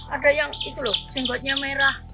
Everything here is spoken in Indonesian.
ada yang itu loh jenggotnya merah